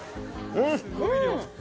うん！